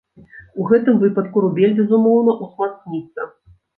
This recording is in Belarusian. У гэтым выпадку рубель, безумоўна, узмацніцца.